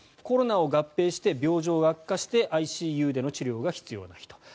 コロナを合併して病状が悪化してＩＣＵでの治療が必要な人。